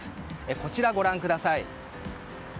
こちらご覧ください。